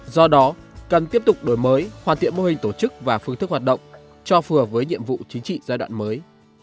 do đó cần tiếp tục đổi mới hoàn thiện mô hình tổ chức và phương thức hoạt động cho phù hợp với nhiệm vụ chính trị giai đoạn mới